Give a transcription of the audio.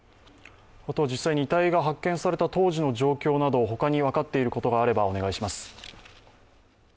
実際に遺体が発見された当時の状況など、他に分かっていることがあればお願いします。